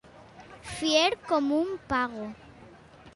Fier com un pago.